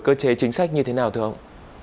cơ chế chính sách như thế nào thưa ông